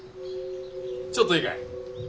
ちょっといいかい。